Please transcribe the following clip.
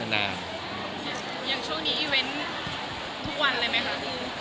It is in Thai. อย่างช่วงนี้อีเวนต์ทุกวันเลยไหมคะ